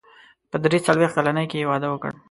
په درې څلوېښت کلنۍ کې يې واده وکړ.